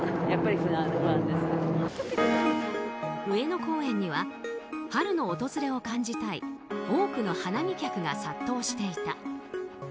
上野公園には春の訪れを感じたい多くの花見客が殺到していた。